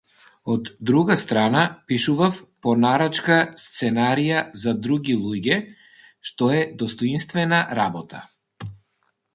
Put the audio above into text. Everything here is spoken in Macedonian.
Од друга страна, пишував по нарачка сценарија за други луѓе, што е достоинствена работа.